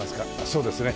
そうですね。